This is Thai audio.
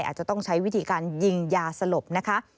อาจจะต้องใช้วิธีการยิงยาสลบนะคะ